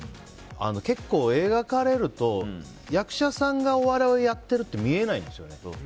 結構、映画化されると役者さんがお笑いをやってるって見えないんですよね。